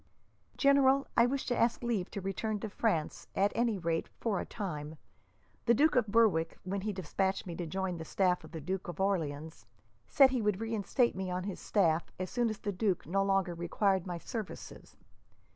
"General, I wish to ask leave to return to France, at any rate for a time. The Duke of Berwick, when he despatched me to join the staff of the Duke of Orleans, said he would reinstate me on his staff as soon as the duke no longer required my services.